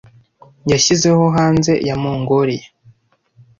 yashyizeho Hanze ya Mongoliya